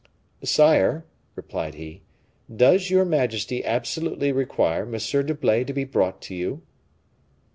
"Sire," replied he, "does your majesty absolutely require M. d'Herblay to be brought to you?"